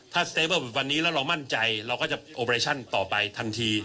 ถ้าแบบวันนี้แล้วเรามั่นใจเราก็จะต่อไปทันที